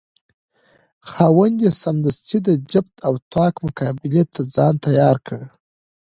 خاوند یې سمدستي د جفت او طاق مقابلې ته ځان تیار کړ.